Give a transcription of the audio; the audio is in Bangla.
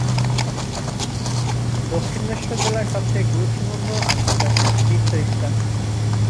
দক্ষিণেশ্বর জেলার সবচেয়ে গুরুত্বপূর্ণ আন্তর্জাতিক তীর্থস্থান।